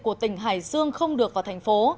của tỉnh hải dương không được vào thành phố